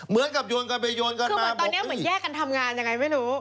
เหมือนกับโยนกลับไปโยนกลับมาคือว่าตอนนี้เหมือนแยกกันทำงานยังไงไม่รู้